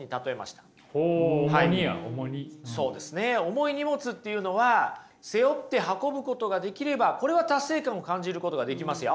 重い荷物っていうのは背負って運ぶことができればこれは達成感を感じることができますよ。